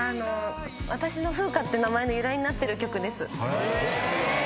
私の風花って名前の由来になってる曲です。